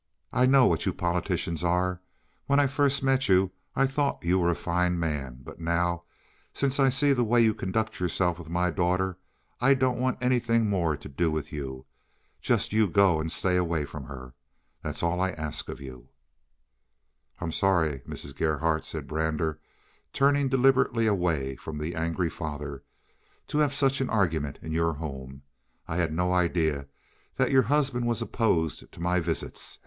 I know what you politicians are. When I first met you I thought you were a fine man, but now, since I see the way you conduct yourself with my daughter, I don't want anything more to do with you. Just you go and stay away from here. That's all I ask of you." "I am sorry, Mrs. Gerhardt," said Brander, turning deliberately away from the angry father, "to have had such an argument in your home. I had no idea that your husband was opposed to my visits.